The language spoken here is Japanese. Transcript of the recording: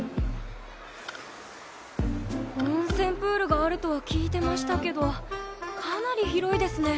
温泉プールがあるとは聞いてましたけどかなり広いですね。